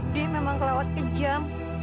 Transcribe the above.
dia memang kelawat kejam